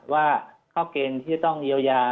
ว่าเข้าเกณฑ์ที่จะต้องเยียวยา